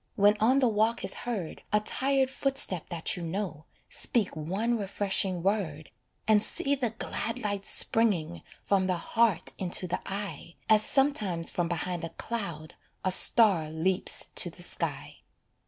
When on the walk is heard A tired footstep that you know, Speak one refreshing word, And see the glad light springing From the heart into the eye, As sometimes from behind a cloud A star leaps to the sky.